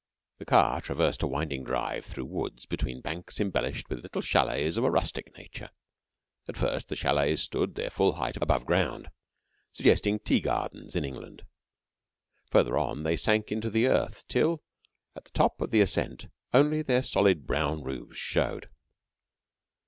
The car traversed a winding drive through woods, between banks embellished with little chalets of a rustic nature. At first, the chalets stood their full height above ground, suggesting tea gardens in England. Further on they sank into the earth till, at the top of the ascent, only their solid brown roofs showed.